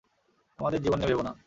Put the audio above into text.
আমাদের জীবন নিয়ে ভেবো না।